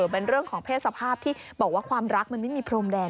เป็นเรื่องของเพศสภาพที่บอกว่าความรักมันไม่มีพรมแดง